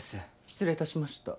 失礼致しました。